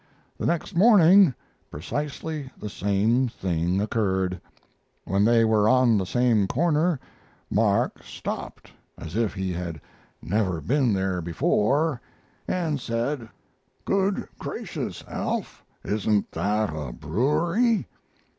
The next morning precisely the same thing occurred. When they were on the same corner, Mark stopped as if he had never been there before, and sand: "Good gracious, Alf! Isn't that a brewery?"